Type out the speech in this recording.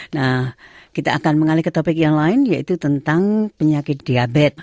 nah kita akan mengalih ke topik yang lain yaitu tentang penyakit diabetes